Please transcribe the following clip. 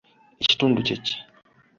Ekitundu kye ki?